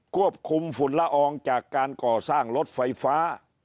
ควบคุมฝุ่นละอองจากการก่อสร้างรถไฟฟ้า